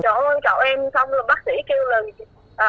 trời ơi cậu em xong rồi bác sĩ kêu là